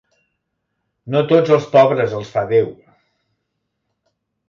No tots els pobres els fa Déu.